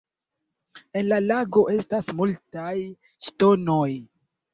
En la lago estas multaj ŝtonoj.